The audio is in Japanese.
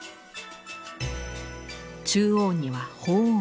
中央には鳳凰。